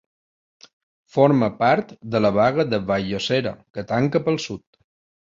Forma part de la Baga de Vall-llosera, que tanca pel sud.